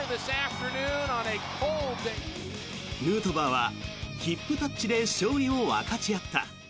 ヌートバーはヒップタッチで勝利を分かち合った。